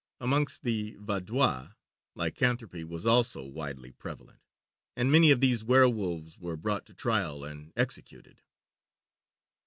Amongst the Vaudois lycanthropy was also widely prevalent, and many of these werwolves were brought to trial and executed.